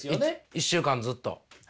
１週間ずっと。